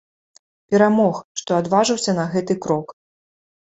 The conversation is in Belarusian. Перамог, што адважыўся на гэты крок.